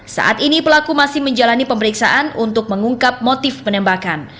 saat ini pelaku masih menjalani pemeriksaan untuk mengungkap motif penembakan